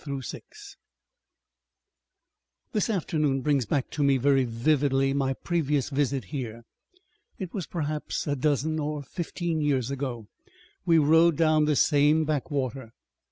Section 4 "This afternoon brings back to me very vividly my previous visit here. It was perhaps a dozen or fifteen years ago. We rowed down this same backwater.